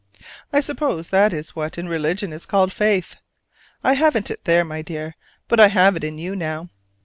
I suppose that is what in religion is called faith: I haven't it there, my dear; but I have it in you now.